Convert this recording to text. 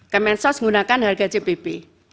kementerian sosial menggunakan harga cbp